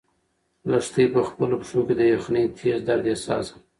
لښتې په خپلو پښو کې د یخنۍ تېز درد احساس کړ.